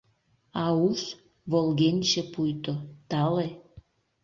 А уш — волгенче пуйто, тале.